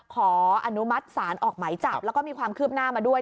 ขออนุมัติศาลออกไหมจับแล้วก็มีความคืบหน้ามาด้วย